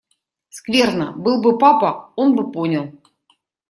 Скверно! Был бы папа, он бы понял.